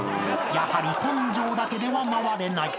［やはり根性だけでは回れない］